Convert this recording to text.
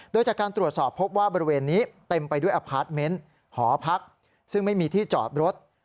โดยจากการตรวจสอบพบว่าบริเวณนี้เต็มไปด้วยอพาร์ทเมนต์หอพักซึ่งไม่มีที่จอดรถ